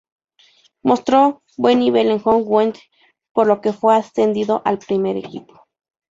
Mostró buen nivel en Jong Twente, por lo que fue ascendido al primer equipo.